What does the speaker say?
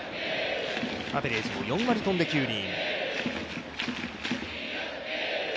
アベレージも４割飛んで９厘。